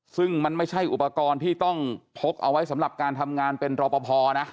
ซึ่งมันไม่ใช่อุปกรณ์ที่ต้องพกเอาไว้สำหรับการทำงานเป็นรอปภนะ